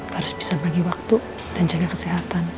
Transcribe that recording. harus bisa bagi waktu dan jaga kesehatan